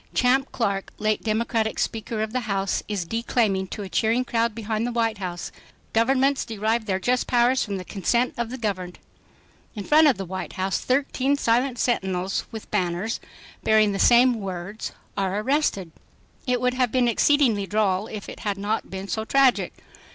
Champ Clark, late Democratic speaker of the House, is declaiming to a cheering crowd behind the White House, "Governments derive their just powers from the consent of the governed." In front of the White House thirteen silent sentinels with banners bearing the same words, are arrested. It would have been exceedingly droll if it had not been so tragic.